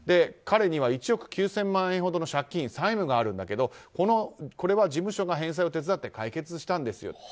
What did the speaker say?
彼には１億９０００万円ほどの借金、債務があるんだけどこれは事務所が返済を手伝って解決したんですよ。